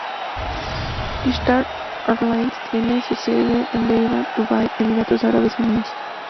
Ishtar Airlines tenía su sede en Deira, Dubái, Emiratos Árabes Unidos.